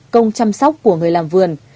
công chăm sóc của người làm vườn